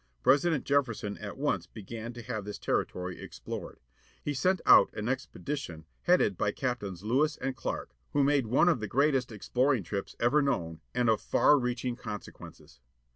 President Jefferson at once began to have this territory explored. He sent out an expedition headed by Cap tains Lewis and Clark, who made one of the greatest exploring trips ever known, and of far reaching consequences.